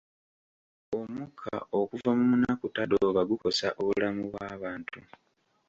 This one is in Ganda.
Omukka okuva mu munakutadooba gukosa obulamu bw'abantu.